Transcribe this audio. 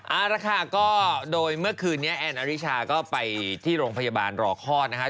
เอาละค่ะก็โดยเมื่อคืนนี้แอนอริชาก็ไปที่โรงพยาบาลรอคลอดนะคะ